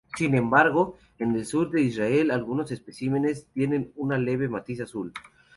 Sin embargo, en el sur de Israel algunos especímenes tienen un leve matiz azul.